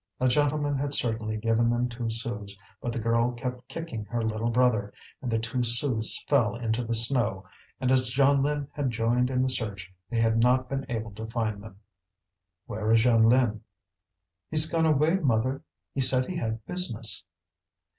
A gentleman had certainly given them two sous, but the girl kept kicking her little brother, and the two sous fell into the snow, and as Jeanlin had joined in the search they had not been able to find them. "Where is Jeanlin?" "He's gone away, mother; he said he had business."